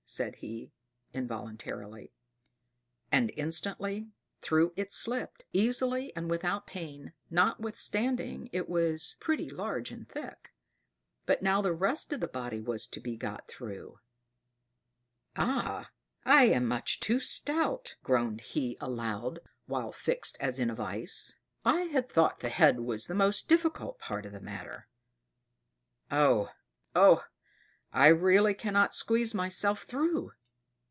said he, involuntarily; and instantly through it slipped, easily and without pain, notwithstanding it was pretty large and thick. But now the rest of the body was to be got through! "Ah! I am much too stout," groaned he aloud, while fixed as in a vice. "I had thought the head was the most difficult part of the matter oh! oh! I really cannot squeeze myself through!"